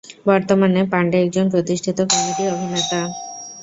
বর্তমানে, পান্ডে একজন প্রতিষ্ঠিত কমেডি অভিনেতা।